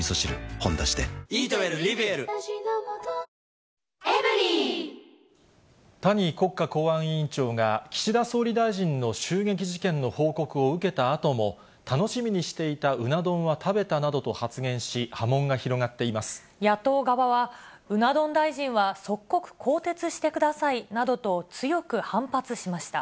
「ほんだし」で谷国家公安委員長が、岸田総理大臣の襲撃事件の報告を受けたあとも、楽しみにしていたうな丼は食べたなどと発言し、波紋が広がってい野党側は、うな丼大臣は即刻更迭してくださいなどと、強く反発しました。